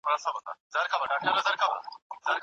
که حکومتونه همږغي ولري هيوادونه پرمختګ کولای سي.